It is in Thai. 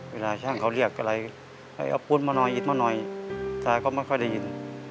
เวลาช่างเขาเรียกอะไรให้เอาปูนมาหน่อยอิดมาหน่อยตาก็ไม่ค่อยได้ยิน